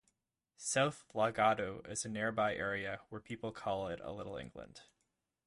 South Lallaguda is a nearby area where people call it a Little England.